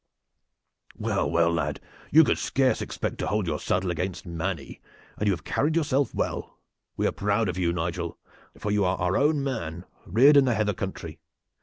"Well, well, lad, you could scarce expect to hold your saddle against Manny, and you have carried yourself well. We are proud of you, Nigel, for you are our own man, reared in the heather country.